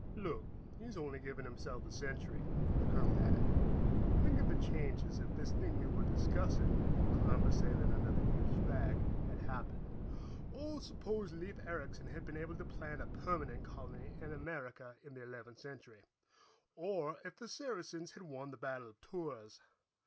"Look, he's only giving himself a century," the colonel added. "Think of the changes if this thing we were discussing, Columbus sailing under the English flag, had happened. Or suppose Leif Ericson had been able to plant a permanent colony in America in the Eleventh Century, or if the Saracens had won the Battle of Tours.